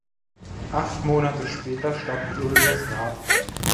Acht Monate später starb Julius Raab.